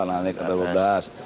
naik ke dua belas